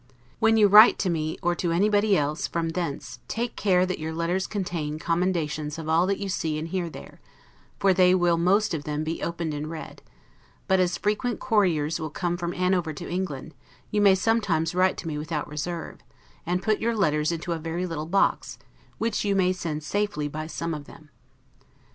When you write to me, or to anybody else, from thence, take care that your letters contain commendations of all that you see and hear there; for they will most of them be opened and read; but, as frequent couriers will come from Hanover to England, you may sometimes write to me without reserve; and put your letters into a very little box, which you may send safely by some of them.